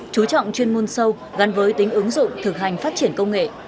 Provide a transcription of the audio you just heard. chú trọng chuyên môn sâu gắn với tính ứng dụng thực hành phát triển công nghệ